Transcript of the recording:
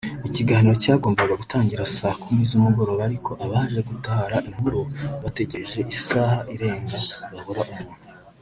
Ikiganiro cyagombaga gutangira saa kumi z’umugoroba ariko abaje gutara inkuru bategereje isaha irenga Babura umuntu